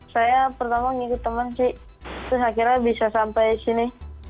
saya pertama ngikut temen sih terus akhirnya bisa sampai sini